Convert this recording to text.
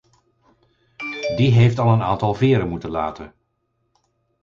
Die heeft al een aantal veren moeten laten.